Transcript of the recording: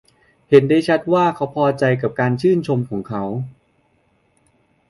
เห็นได้ชัดว่าเขาพอใจกับการชื่นชมของเขา